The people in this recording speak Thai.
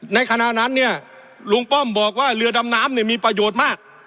ในขณะนั้นเนี่ยลุงป้อมบอกว่าเรือดำน้ำเนี่ยมีประโยชน์มาก